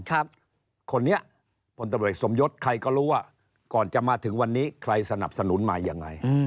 คนนี้พลตำรวจสมยศใครก็รู้ว่าก่อนจะมาถึงวันนี้ใครสนับสนุนมายังไง